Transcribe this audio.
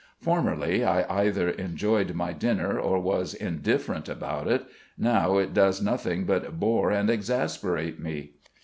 Formerly, I either enjoyed my dinner or was indifferent about it. Now it does nothing but bore and exasperate me.